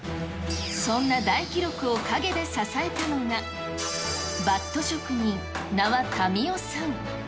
そんな大記録を陰で支えたのが、バット職人、名和民夫さん。